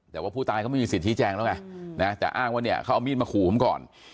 แต่ว่าผู้ตายเขาไม่มีสิทธิแจงแล้วไงนะแต่อ้างว่าเนี่ยเขาเอามีดมาขู่ผมก่อน